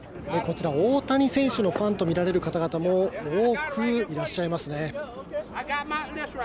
こちら大谷選手のファンとみられる方々も多くいらっしゃいますね。